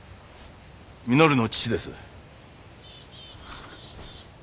稔の父です。